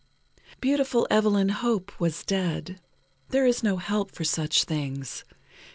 Beautiful Evelyn Hope was dead. There is no help for such things.